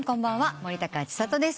森高千里です。